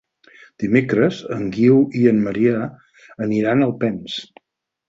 Dimecres en Guiu i en Maria aniran a Alpens.